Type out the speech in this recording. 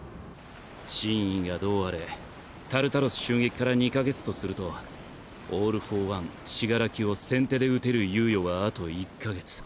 真意がどうあれタルタロス襲撃から２か月とするとオール・フォー・ワン死柄木を先手で討てる猶予はあと１か月。